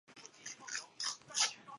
各国使用的乘法表有可能不太一样。